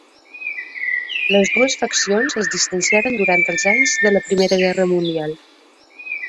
Les dues faccions es distanciaren durant els anys de la Primera Guerra Mundial.